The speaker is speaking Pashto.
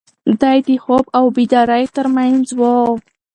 دی د خوب او بیدارۍ تر منځ و.